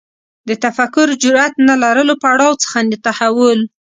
د تفکر جرئت نه لرلو پړاو څخه تحول